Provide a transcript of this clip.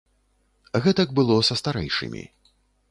Гэтак было са старэйшымі.